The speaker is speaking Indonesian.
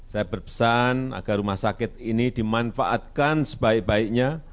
saya berpesan agar rumah sakit ini dimanfaatkan sebaik baiknya